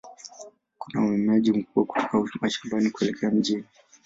Kuna uhamiaji mkubwa kutoka mashambani kuelekea mjini.